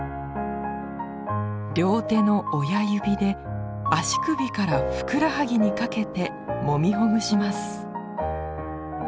両手の親指で足首からふくらはぎにかけてもみほぐします。